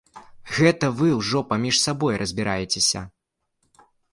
Гэта вы ўжо паміж сабой разбірайцеся.